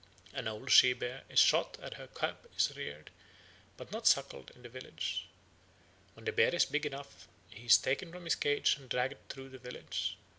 An old she bear is shot and her cub is reared, but not suckled, in the village. When the bear is big enough he is taken from his cage and dragged through the village.